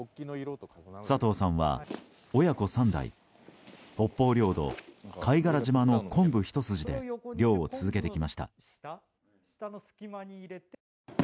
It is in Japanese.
佐藤さんは親子３代北方領土貝殻島の昆布ひと筋で漁を続けてきました。